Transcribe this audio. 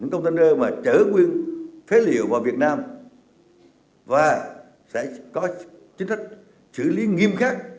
tổ chức phế liệu vào việt nam và sẽ có chính thức xử lý nghiêm khắc